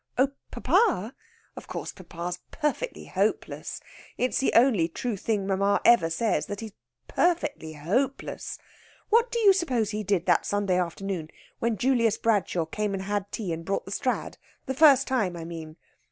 "Oh papa? Of course, papa's perfectly hopeless! It's the only true thing mamma ever says that he's perfectly hopeless. What do you suppose he did that Sunday afternoon when Julius Bradshaw came and had tea and brought the Strad the first time, I mean?...